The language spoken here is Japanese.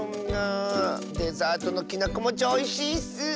デザートのきなこもちょうおいしいッス！